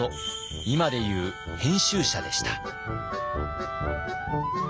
今でいう編集者でした。